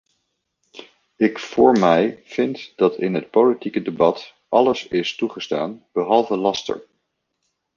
Ik voor mij vind dat in het politieke debat alles is toegestaan, behalve laster.